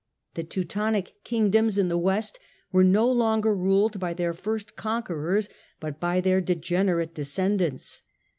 The Teutonic kingdoms in the west were no longer ruled by their first conquerors, but by their degenerate descendants.